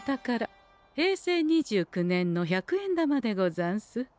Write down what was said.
平成２９年の百円玉でござんす。